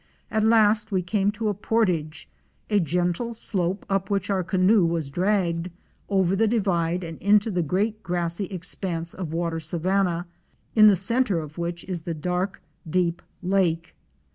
At last we came to a portage—a gentle slope up which our canoe was dragged, over the divide and into the great grassy expanse of water savanna, in the centre of which is the dark deep lake.